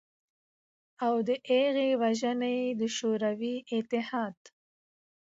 او د هغه وژنه ېې د شوروی اتحاد